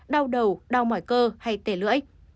đau đầu đau mỏi cơ hay tể lưỡi